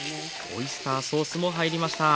オイスターソースも入りました。